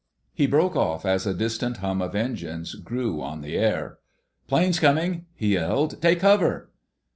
He broke off as a distant hum of engines grew on the air. "Planes coming!" he yelled. "Take cover!"